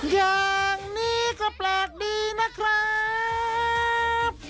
อย่างนี้ก็แปลกดีนะครับ